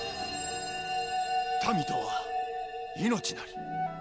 民とは命なり。